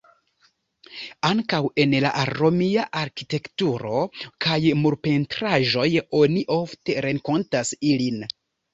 Ankaŭ en la romia arkitekturo kaj murpentraĵoj oni ofte renkontas ilin.